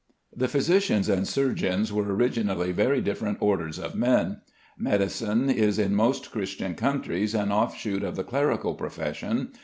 The physicians and surgeons were originally very different orders of men. Medicine is in most Christian countries an offshoot of the clerical profession.